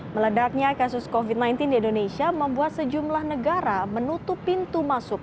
meledaknya kasus covid sembilan belas di indonesia membuat sejumlah negara menutup pintu masuk